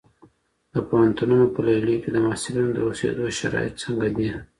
د پوهنتونونو په لیلیو کي د محصلینو د اوسیدو شرایط څنګه دي؟